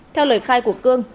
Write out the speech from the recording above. theo lời khai của cương